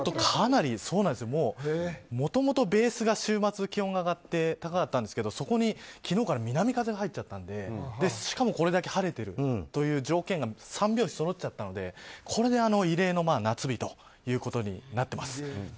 もともと、ベースが週末、気温が上がって高かったんですがそこに昨日から南風が入っちゃったのでしかも、これだけ晴れているという条件が３拍子そろっちゃったのでこれで異例の夏日となっています。